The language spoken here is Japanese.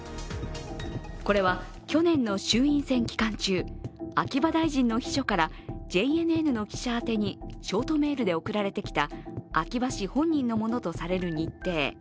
これは去年の衆院選期間中秋葉大臣の秘書からＪＮＮの記者宛てにショートメールで送られてきた、秋葉氏本人のものとされる日程。